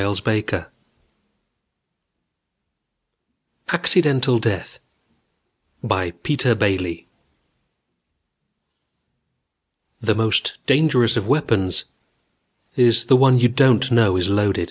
net ACCIDENTAL DEATH BY PETER BAILY _The most dangerous of weapons is the one you don't know is loaded.